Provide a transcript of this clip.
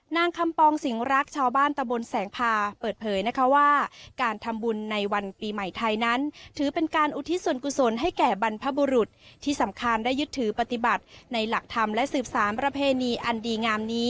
นางคำปองสิงรักชาวบ้านตะบนแสงพาเปิดเผยนะคะว่าการทำบุญในวันปีใหม่ไทยนั้นถือเป็นการอุทิศส่วนกุศลให้แก่บรรพบุรุษที่สำคัญได้ยึดถือปฏิบัติในหลักธรรมและสืบสารประเพณีอันดีงามนี้